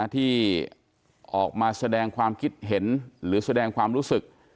ที่ออกมาแสดงความคิดเห็นหรือแสดงความรู้สึก